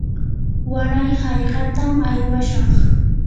waray hallqatam aywashaq.